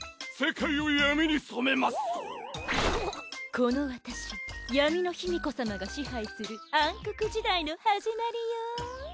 この私闇のヒミコ様が支配する暗黒時代の始まりよん。